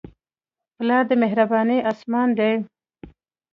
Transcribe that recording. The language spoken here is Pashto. پلار د مهربانۍ اسمان دی.